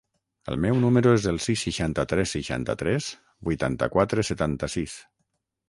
El meu número es el sis, seixanta-tres, seixanta-tres, vuitanta-quatre, setanta-sis.